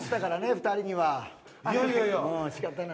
２人には。